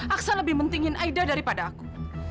aksa lebih pentingin aida daripada aku